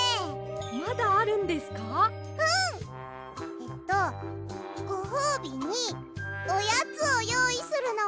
えっとごほうびにおやつをよういするのは？